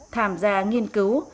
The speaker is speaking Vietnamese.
tham gia nghiên cứu